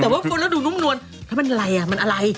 แต่ว่าคนแล้วดูนุ่มนวลแล้วมันอะไรอ่ะมันอะไร